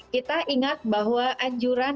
kita ingat bahwa anjuran